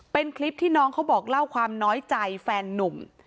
เป็นคลิปที่น้องเขาบอกเล่าความน้อยใจแฟนนุ่ม